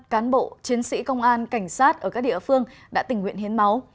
cán bộ chiến sĩ công an cảnh sát ở các địa phương đã tình nguyện hiến máu